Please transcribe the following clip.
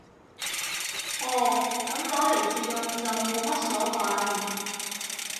哦，噉攞嚟自用就冇乜所謂